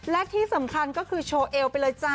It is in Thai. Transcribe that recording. และที่สำคัญก็คือโชว์เอลไปเลยจ้ะ